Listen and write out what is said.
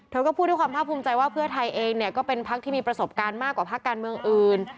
ก็พูดด้วยความภาคภูมิใจว่าเพื่อไทยเองเนี่ยก็เป็นพักที่มีประสบการณ์มากกว่าพักการเมืองอื่น